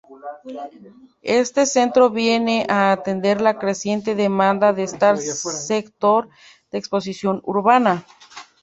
Este centro viene a atender la creciente demanda de este sector de expansión urbana.